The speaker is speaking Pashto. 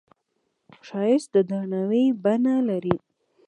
ښایست د درناوي بڼه لري